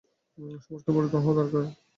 সমাজকে পরিবর্তন হওয়া দরকার।